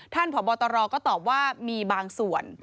ท่านผอบตรก็ตอบว่ามีบางส่วน